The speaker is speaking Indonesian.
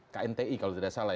knti kalau tidak salah ya